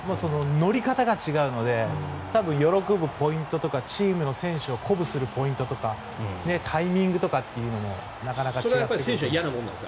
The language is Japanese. ノリ方が違うので喜ぶポイントとかチームの選手を鼓舞するポイントとかタイミングとかってのも選手もそれは嫌なの？